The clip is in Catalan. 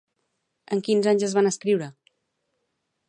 En quins anys es van escriure?